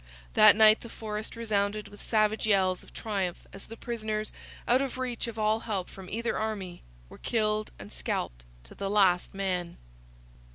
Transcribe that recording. That night the forest resounded with savage yells of triumph as the prisoners, out of reach of all help from either army, were killed and scalped to the last man.